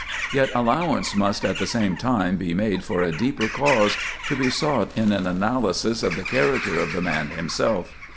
Yet allowance must at the same time be made for a deeper cause, to be sought in an analysis of the character of the man himself.